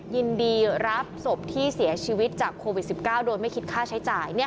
ยินดีรับศพที่เสียชีวิตจากโควิด๑๙โดยไม่คิดค่าใช้จ่าย